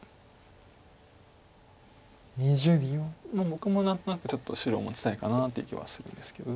僕も何となくちょっと白を持ちたいかなっていう気はするんですけど。